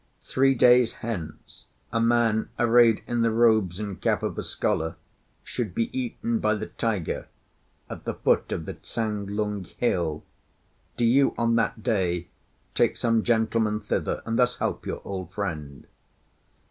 Three days hence a man, arrayed in the robes and cap of a scholar, should be eaten by the tiger at the foot of the Ts'ang lung Hill. Do you on that day take some gentleman thither, and thus help your old friend."